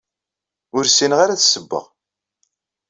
Ur ssineɣ ara ad ssewweɣ.